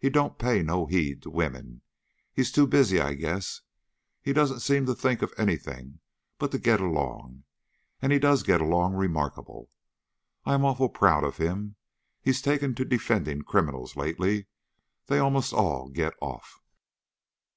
He don't pay no heed to women. He's too busy, I guess. He don't seem to think of any thing but to get along, and he does get along remarkable. I'm awful proud of him. He's taken to defending criminals lately. They almost all get off."